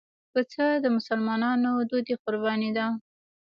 پسه د مسلمانانو دودي قرباني ده.